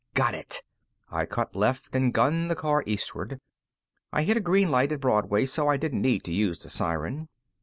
"Got it!" I cut left and gunned the car eastward. I hit a green light at Broadway, so I didn't need to use the siren.